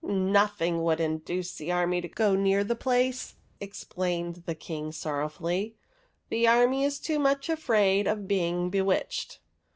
" Nothing would induce the army to go near the place," explained the King, sorrowfully; " the army is too much afraid of being be witched."